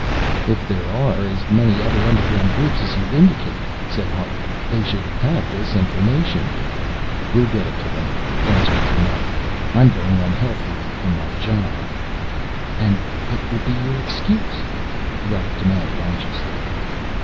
"If there are as many other underground groups as you indicate," said Hart, "they should have this information." "We get it to them," answered Burnett. "I'm going on health leave from my job." "And what will be your excuse?" Wright demanded anxiously.